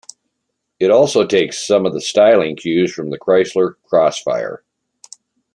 It also takes some of the styling cues from the Chrysler Crossfire.